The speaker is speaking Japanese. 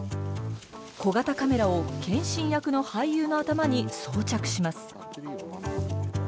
小型カメラを謙信役の俳優の頭に装着します。